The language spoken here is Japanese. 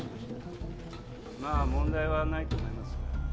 まあ問題はないと思いますが。